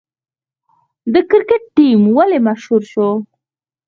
د کرکټ ټیم ولې مشهور شو؟